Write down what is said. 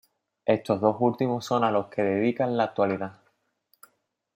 Estos dos últimos son a los que dedica en la actualidad.